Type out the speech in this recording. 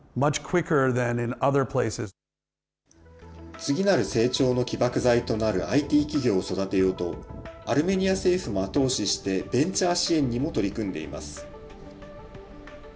次なる成長の起爆剤となるＩＴ企業を育てようと、アルメニア政府も後押ししてベンチャー支援にも取り組んでいます。